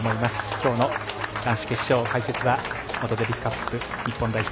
今日の男子決勝解説は元デビスカップ日本代表